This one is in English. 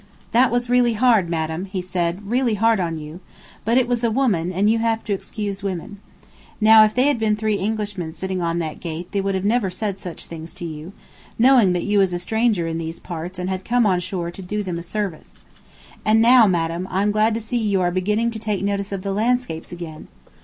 "That was really hard, madam," he said, "really hard on you; but it was a woman, and you have to excuse women. Now if they had been three Englishmen sitting on that gate they would never have said such things to you, knowing that you was a stranger in these parts and had come on shore to do them a service. And now, madam, I'm glad to see you are beginning to take notice of the landscapes again.